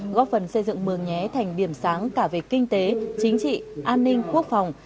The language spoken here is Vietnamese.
góp phần xây dựng mường nhé thành điểm sáng cả về kinh tế chính trị an ninh quốc phòng